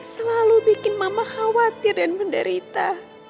selalu bikin mama khawatir dan menderita